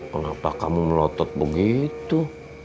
kenapa kamu melotot begitu